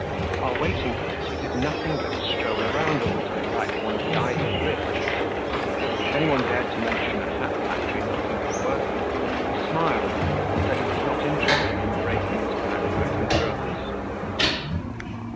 While waiting for this he did nothing but stroll around all day like one of the idle rich. If anyone dared to mention a hat factory looking for workers, he smiled and said he was not interested in breaking his back working for others.